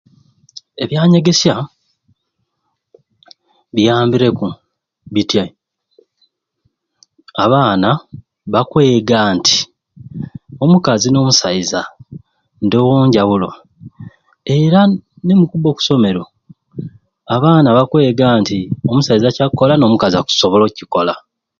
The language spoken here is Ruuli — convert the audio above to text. Ebyanyegesya biyambireku bityai, abaana bakwega nti omukazi n'omusaiza ndoowo njawulo era nimukubba okusomero abaana bakwega nti omusaiza kyakkola n'omukali akusobola okukikola